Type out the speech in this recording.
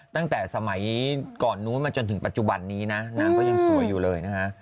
ตั้งแต่สมัยก่อนนู้นมาจนถึงปัจจุบันนี้นะนางก็ยังสวยอยู่เลยนะฮะ